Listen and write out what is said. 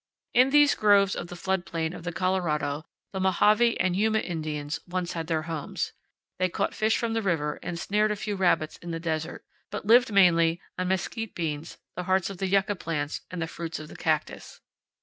In these groves of the flood plain of the Colorado the Mojave and Yuma Indians once had their homes. They caught fish from the river and snared a few rabbits in the desert, but lived mainly on mesquite beans, the hearts of yucca plants, and the fruits of the cactus.